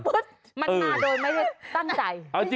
มันมาโดยไม่ได้ตั้งใจ